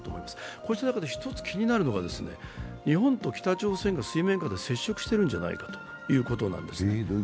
こうした中、気になるのが日本と北朝鮮が水面下で接触してるんじゃないかということなんです。